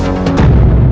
apa yang ibu maya tahu